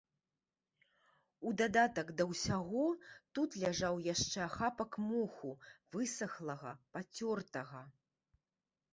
У дадатак да ўсяго, тут ляжаў яшчэ ахапак моху, высахлага, пацёртага.